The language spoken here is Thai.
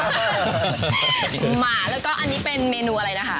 หมาแล้วก็อันนี้เป็นเมนูอะไรนะคะ